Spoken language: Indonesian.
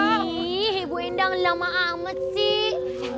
ini ibu endang lama amat sih